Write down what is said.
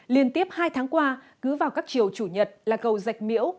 liên tiếp hai tháng qua cứ vào các chiều chủ nhật là cầu dạch miễu